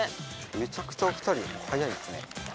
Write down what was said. めちゃくちゃお二人はやいですね